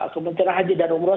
kementerian haji dan umroh